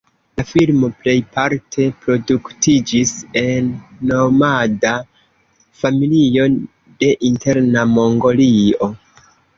La filmo plejparte produktiĝis en nomada familio de Interna Mongolio.